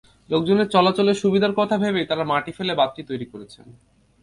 লোকজনের চলাচলের সুবিধার কথা ভেবেই তাঁরা মাটি ফেলে বাঁধটি তৈরি করেছেন।